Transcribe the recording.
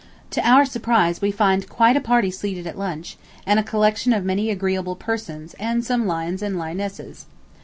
To our surprise we found quite a party seated at lunch, and a collection of many agreeable persons and some lions and lionesses.